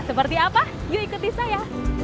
seperti apa yuk ikuti saya